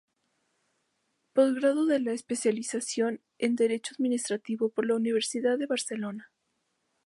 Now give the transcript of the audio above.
Posgrado de Especialización en Derecho Administrativo por la Universidad de Barcelona.